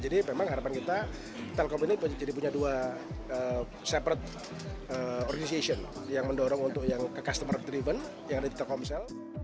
di dalam kita telkom ini punya dua organization yang mendorong untuk yang customer driven yang ada di telkomsel